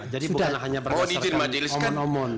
jadi bukan hanya berdasarkan omon omon